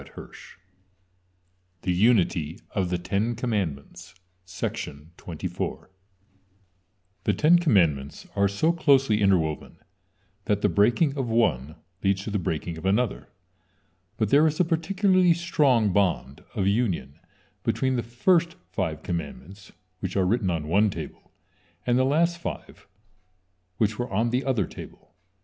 THE UNITY OF THE TEN COMMANDMENTS The Ten Commandments are so closely interwoven, that the breaking of one leads to the breaking of another. But there is a particularly strong bond of union between the first five commandments, which are written on one table, and the last five, which were on the other table.